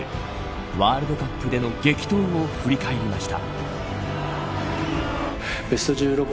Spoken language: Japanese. ワールドカップでの激闘を振り返りました。